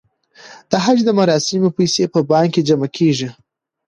د حج د مراسمو پیسې په بانک کې جمع کیږي.